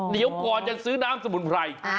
เดี๋ยวก่อนจะซื้อน้ำสมุนไพร